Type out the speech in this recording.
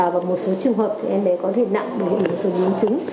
và một số trường hợp thì em bé có thể nặng một số biến chứng